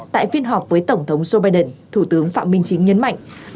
tại phiên họp với tổng thống joe biden thủ tướng phạm minh chính nhấn mạnh